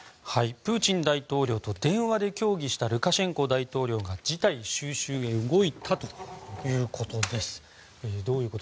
プーチン大統領と電話で協議したルカシェンコ大統領が事態収拾へ動いたということです。